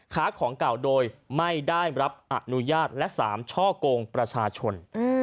ค้าของเก่าโดยไม่ได้รับอนุญาตและ๓ช่อกงประชาชน